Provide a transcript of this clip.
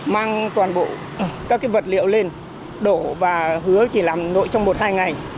mang toàn bộ các vật liệu lên đổ và hứa chỉ làm nội trong một hai ngày